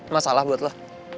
masalah buat lo